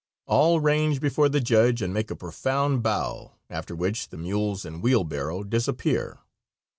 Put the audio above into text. All range before the judge and make a profound bow, after which the mules and wheelbarrow disappear.